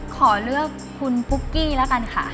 ขอเลือกคุณปุ๊กกี้แล้วกันค่ะ